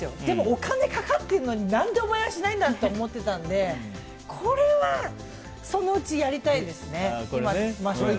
でも、お金かかってるのに何でお前はしないんだって思ってたので、これはそのうちやりたいです。